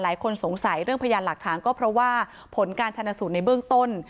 หลายคนสงสัยเรื่องพยานหลักฐานก็เพราะว่าผลการชนะสูตรในเบื้องต้น